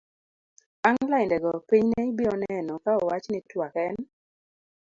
bang' lainde go pinyne ibiro neno ka owach ni twak en